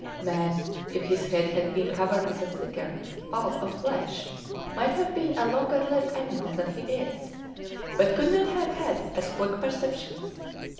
Man, if his head had been covered with a thicker pulp of flesh, might have been a longer lived animal than he is, but could not have had as quick perceptions.